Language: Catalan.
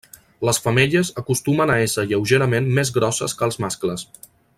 Les femelles acostumen a ésser lleugerament més grosses que els mascles.